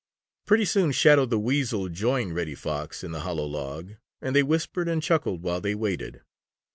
Pretty soon Shadow the Weasel joined Reddy Fox in the hollow log, and they whispered and chuckled while they waited.